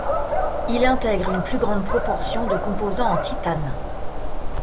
Il intègre une plus grande proportion de composants en titane.